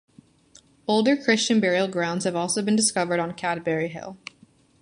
Older Christian burial grounds have also been discovered on Cadbury Hill.